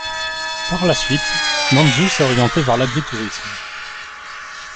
Par la suite, Nanzhou s'est orientée vers l'agritourisme.